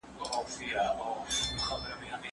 هیڅ قدرت د تل لپاره نه وي.